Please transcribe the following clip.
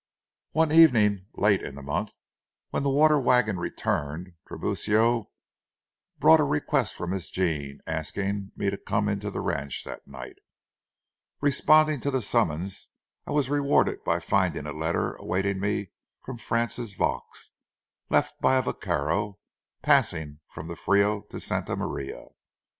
One evening, late in the month, when the water wagon returned, Tiburcio brought a request from Miss Jean, asking me to come into the ranch that night. Responding to the summons, I was rewarded by finding a letter awaiting me from Frances Vaux, left by a vaquero passing from the Frio to Santa Maria.